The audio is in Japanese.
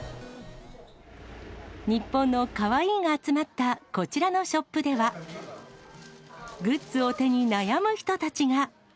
日本のかわいいが集まったこちらのショップでは、グッズを手に悩む人たちが。